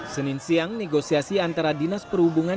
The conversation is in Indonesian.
senin siang negosiasi antara dinas perhubungan